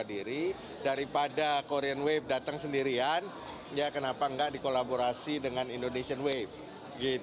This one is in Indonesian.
diri daripada korean wave datang sendirian ya kenapa enggak dikolaborasi dengan indonesian wave